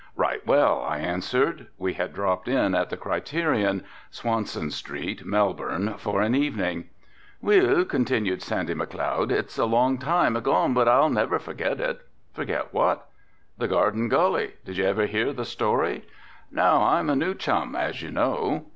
"Right well," I answered. We had dropped in at the Criterion, Swanson street, Melbourne, for an evening. "Weel," continued Sandy McLeod, "it's a long time agone but I'll never forget it." "Forget what?" "The Garden Gully, did you ever hear the story?" "No, I'm a new chum, as you know."